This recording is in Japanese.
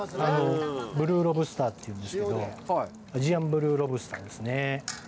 ブルーロブスターというんですけど、アジアンブルーロブスターですね。